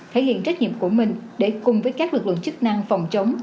thể hiện trách nhiệm của mình để cùng với các lực lượng chức năng phòng chống